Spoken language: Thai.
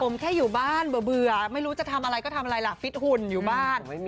ผมแค่อยู่บ้านเบื่อไม่รู้จะทำอะไรก็ทำอะไรล่ะฟิตหุ่นอยู่บ้าน